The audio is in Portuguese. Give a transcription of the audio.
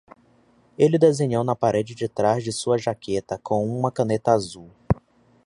Ele desenhou na parte de trás de sua jaqueta com uma caneta azul.